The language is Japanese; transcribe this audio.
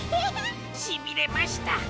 しびれました。